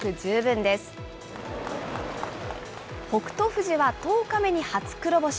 富士は１０日目に初黒星。